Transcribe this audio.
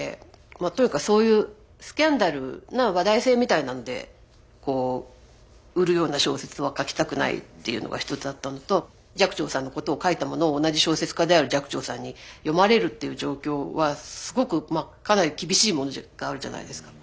というかそういうスキャンダルな話題性みたいなので売るような小説は書きたくないっていうのが一つあったのと寂聴さんのことを書いたものを同じ小説家である寂聴さんに読まれるっていう状況はすごくかなり厳しいものがあるじゃないですか。